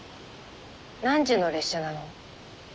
何時の列車なの？